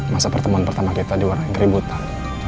masa pertemuan pertama kita diorang yang keributan